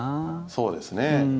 そうですね。